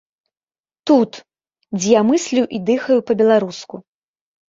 Тут, дзе я мыслю і дыхаю па-беларуску.